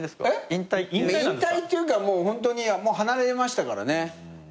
引退っていうかもうホントに離れましたからね。